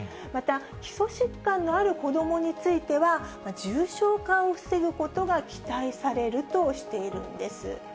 また、基礎疾患のある子どもについては、重症化を防ぐことが期待されるとしているんです。